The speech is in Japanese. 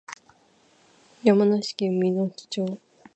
山梨県身延町